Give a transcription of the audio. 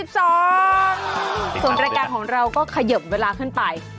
ส่วนรายการของเราก็เขยิบเวลาขึ้นไป